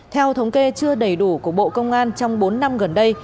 theo thống kê chưa đầy đủ của bộ công an trong bốn năm gần đây